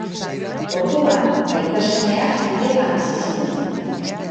Orduan aita-semeak hegan hasi ziren.